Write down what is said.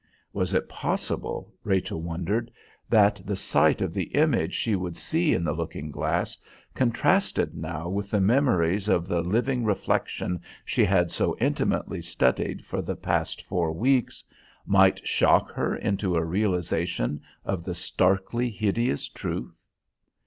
Was it possible, Rachel wondered, that the sight of the image she would see in the looking glass, contrasted now with the memories of the living reflection she had so intimately studied for the past four weeks, might shock her into a realisation of the starkly hideous truth?